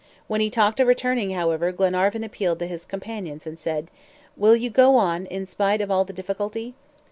When he talked of returning, however, Glenarvan appealed to his companions and said: "Will you go on in spite of all the difficulty?"